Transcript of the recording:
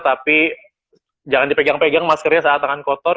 tapi jangan dipegang pegang maskernya saat tangan kotor